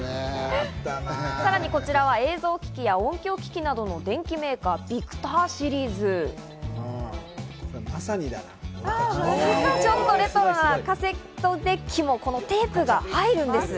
さらにこちらは映像機器や音響機器などの電機メーカー、ビクターシリーズ。レトロなカセットデッキもこのテープが入るんです。